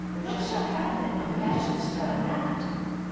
CHORUS. What shall happen, imagin'st thou not.